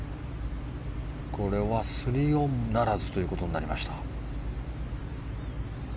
これは３オンならずということになりました。